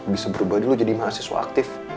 bisa berubah dulu jadi mahasiswa aktif